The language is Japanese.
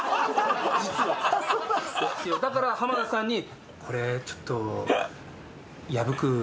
だから浜田さんにこれちょっと。って言われて。